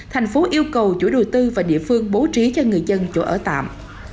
thành phố yêu cầu chủ đầu tư và địa phương bố trí cho người dân chỗ ở tạm